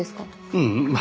うんま